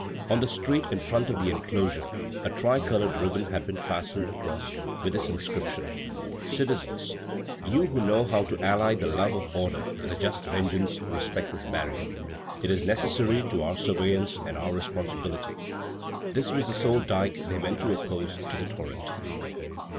On the street in front of the enclosure a tricolored ribbon had been fastened across, with this inscription: "Citizens, you who know how to ally the love of order with a just vengeance, respect this barrier; it is necessary to our surveillance and our responsibility." This was the sole dike they meant to oppose to the torrent.